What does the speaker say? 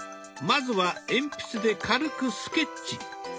まずは鉛筆で軽くスケッチ。